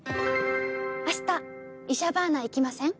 明日イシャバーナ行きません？